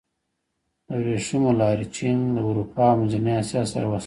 د ورېښمو لارې له لارې چین له اروپا او منځنۍ اسیا سره وصل شو.